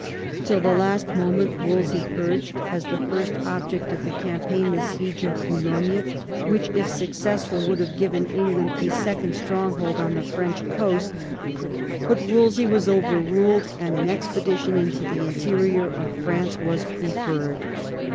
Till the last moment Wolsey urged, as the first object of the campaign, the siege of Boulogne, which, if successful, would have given England a second stronghold on the French coast; but Wolsey was overruled, and an expedi tion into the interior of France was preferred.